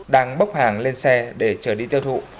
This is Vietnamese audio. đang bốc hàng lên xe để trở đi tiêu thụ